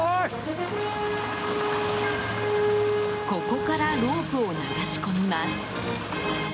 ここからロープを流し込みます。